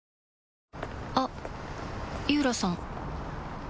あっ井浦さん